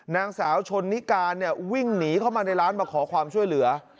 นางสาวชนนิการเนี่ยวิ่งหนีเข้ามาในร้านมาขอความช่วยเหลือ